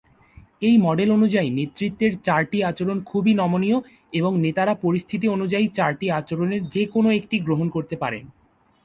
এই মডেল অনুযায়ী নেতৃত্বের চারটি আচরণ খুবই নমনীয় এবং নেতারা পরিস্থিতি অনুযায়ী চারটি আচরণের যে কোনও একটি গ্রহণ করতে পারেন।